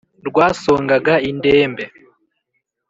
rwasongaga indembe.